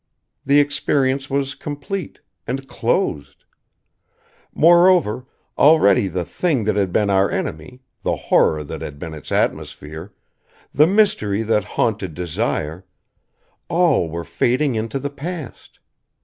The experience was complete, and closed. Moreover, already the Thing that had been our enemy, the horror that had been Its atmosphere, the mystery that haunted Desire all were fading into the past.